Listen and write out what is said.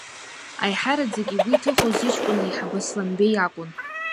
Аиҳараӡак игәы иҭыхоз иҷкәын аиҳабы Асланбеи иакәын.